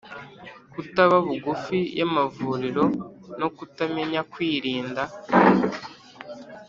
kutaba bugufi y’amavuriro no kutamenya kwirinda,